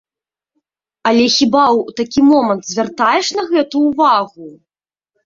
Але хіба ў такі момант звяртаеш на гэта ўвагу?!